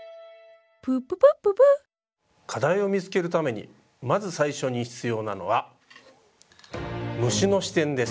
プププッププッ課題を見つけるためにまず最初に必要なのは「虫の視点」です。